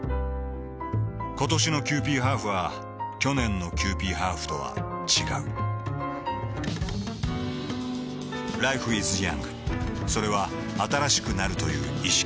ことしのキユーピーハーフは去年のキユーピーハーフとは違うＬｉｆｅｉｓｙｏｕｎｇ．それは新しくなるという意識